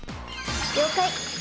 「了解！」